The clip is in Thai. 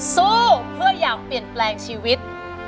สู้เพื่ออยากเปลี่ยนแปลงชีวิต